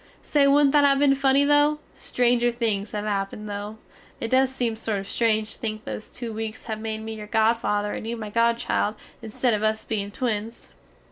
Say woodnt that have been funny though! Stranger things have happined though. It does seem sort of strange to think those too weaks have made me your godfather and you my godchild insted of us bein twins.